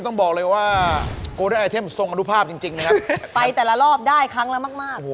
มากับดวงค่ะ